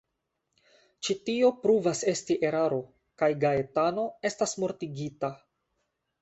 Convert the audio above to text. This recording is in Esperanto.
Ĉi tio pruvas esti eraro, kaj Gaetano estas mortigita.